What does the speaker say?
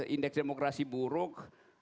indeks demokrasi buruk